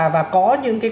và có những cái